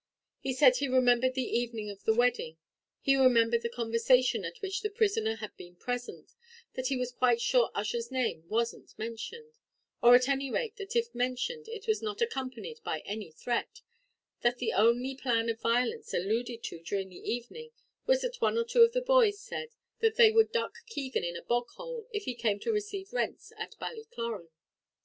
He said he remembered the evening of the wedding, he remembered the conversation at which the prisoner had been present, that he was quite sure Ussher's name wasn't mentioned or at any rate that if mentioned, it was not accompanied by any threat that, the only plan of violence alluded to during the evening was that one or two of the boys said that they would duck Keegan in a bog hole if he came to receive rents at Ballycloran.